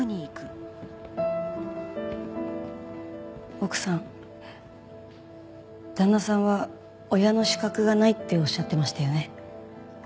奥さん旦那さんは親の資格がないっておっしゃってましたよね。